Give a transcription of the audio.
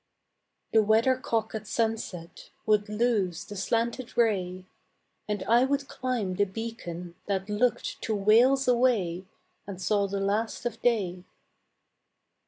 The weathercock at sunset Would lose the slanted ray, And I would climb the beacon That looked to Wales away And saw the last of day.